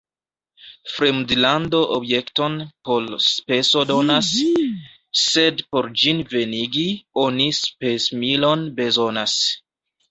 Fremdlando objekton por speso donas, sed por ĝin venigi, oni spesmilon bezonas.